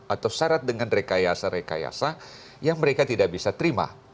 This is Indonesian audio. atau syarat dengan rekayasa rekayasa yang mereka tidak bisa terima